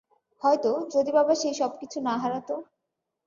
হয়তো, যদি বাবা সেই সবকিছু না হারাতো।